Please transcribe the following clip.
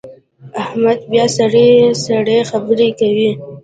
احمد بیا سړې سړې خبرې کوي.